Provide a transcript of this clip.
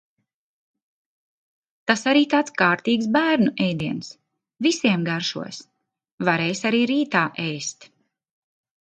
Tas arī tāds kārtīgs bērnu ēdiens, visiem garšos, varēs arī rītā ēst.